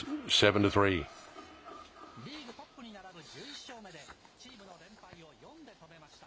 リーグトップに並ぶ１１勝目で、チームの連敗を４で止めました。